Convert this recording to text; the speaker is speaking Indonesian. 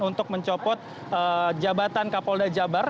untuk mencopot jabatan kapolda jabar